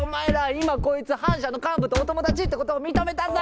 今こいつ反社の幹部とお友達ってことを認めたぞ！